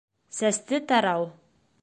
Сәсте тарау